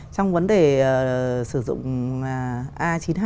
trong vấn đề sử dụng a chín mươi hai